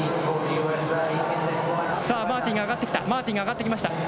さあ、マーティンが上がってきました、マーティンが上がってきました。